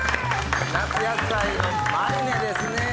夏野菜のマリネですね。